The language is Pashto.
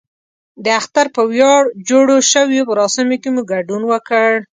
د اختر په ویاړ جوړو شویو مراسمو کې مو ګډون وکړ.